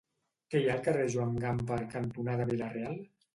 Què hi ha al carrer Joan Gamper cantonada Vila-real?